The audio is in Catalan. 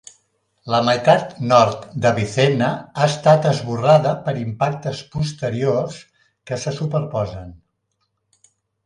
La meitat nord d'Avicenna ha estat esborrada per impactes posteriors, que se superposen.